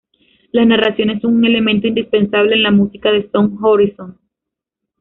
Las narraciones son un elemento indispensable en la música de Sound Horizon.